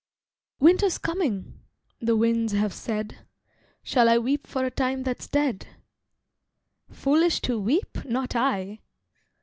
"Winter's coming," the winds have said, Shall I weep for a time that's dead? Foolish to weep, not I!